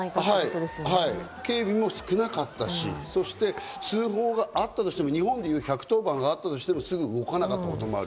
警備も少なかったし、通報があったとしても、日本でいう１１０番があったとしても、すぐ動かなかったこともある。